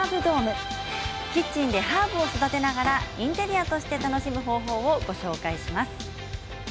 キッチンでハーブを育てながらインテリアとしても楽しむ方法をご紹介します。